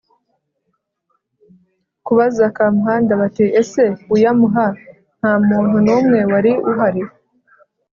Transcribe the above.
kubaza Kamuhanda bati: “Ese uyamuha nta muntu n’umwe wari uhari